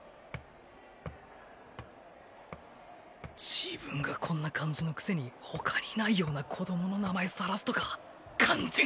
自分がこんな感じのくせにほかにないような子どもの名前さらすとか潤平！